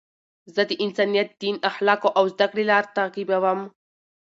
زه د انسانیت، دین، اخلاقو او زدهکړي لار تعقیبوم.